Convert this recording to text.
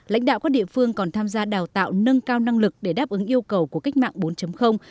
lãnh đạo các địa phương còn tham gia đào tạo nâng cao năng lực để đáp ứng yêu cầu của cách mạng bốn